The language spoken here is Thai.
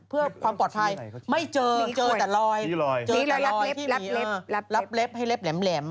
เพื่อความปลอดภัยไม่เจอเจอแต่รอยเจอรัดเล็บเล็บให้เล็บแหลม